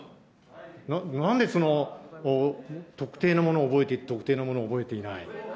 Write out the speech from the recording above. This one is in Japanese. なんで、特定のものを覚えていて、特定のものを覚えていない。